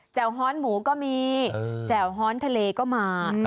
จ้าวห้อนหมูก็มีจ้าวห้อนทะเลก็มา